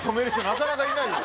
なかなかいないよ。